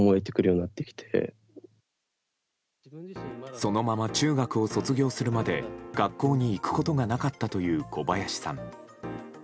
そのまま中学を卒業するまで学校に行くことがなかったという小林さん。